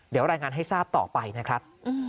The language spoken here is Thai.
เดี๋ยวรายงานให้ทราบต่อไปนะครับ